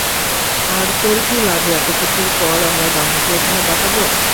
আর তোর কি লাগে এতোকিছুর পর আমরা গাঙুকে ওখানে পাঠাবো?